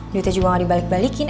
duitnya juga gak dibalik balikin